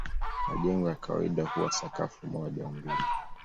Majengo ya kawaida huwa sakafu moja au mbili tu.